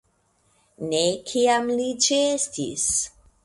Ne kiam li ĉeestis.